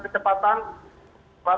pesawat itu klaim dengan normalnya